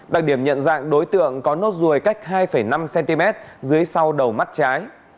đặc điểm nhận dạng đối tượng có nốt ruồi cách hai năm cm dưới sau đầu mắt trái